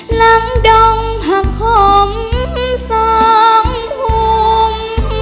หลังดองผักของสองหุ่ม